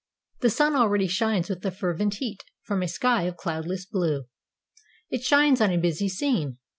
The sun already shines with a fervent heat from a sky of cloudless blue. It shines on a busy scene.